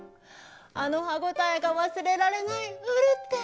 あの歯応えが忘れられないウルテ。